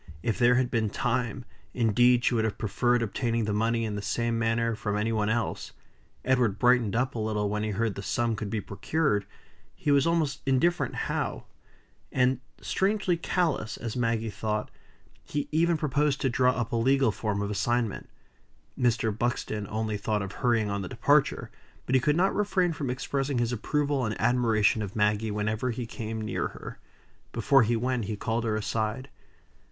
If there had been time, indeed, she would have preferred obtaining the money in the same manner from any one else. Edward brightened up a little when he heard the sum could be procured; he was almost indifferent how; and, strangely callous, as Maggie thought, he even proposed to draw up a legal form of assignment. Mr. Buxton only thought of hurrying on the departure; but he could not refrain from expressing his approval and admiration of Maggie whenever he came near her. Before he went, he called her aside.